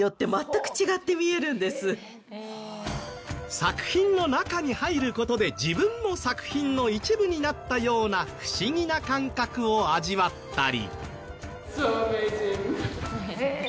作品の中に入る事で自分も作品の一部になったような不思議な感覚を味わったり。